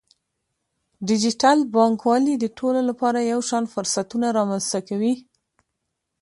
ډیجیټل بانکوالي د ټولو لپاره یو شان فرصتونه رامنځته کوي.